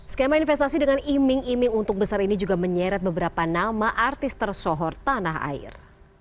skema investasi dengan iming iming untuk besar ini juga menyeret beberapa nama artis tersohor tanah air